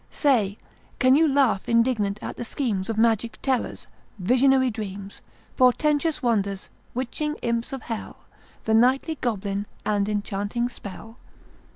——— Say, can you laugh indignant at the schemes Of magic terrors, visionary dreams, Portentous wonders, witching imps of Hell, The nightly goblin, and enchanting spell?